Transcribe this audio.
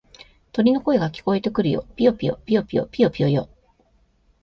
鳥の声が聞こえてくるよ。ぴよぴよ、ぴよぴよ、ぴよぴよよ。